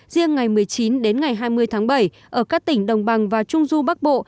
riêng ngày một mươi chín đến ngày hai mươi tháng bảy ở các tỉnh đồng bằng và trung du bắc bộ